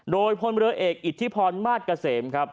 โดยพลเมือเอกอิทธิพรมาศเกษม